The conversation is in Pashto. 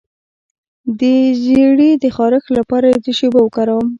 د زیړي د خارښ لپاره د څه شي اوبه وکاروم؟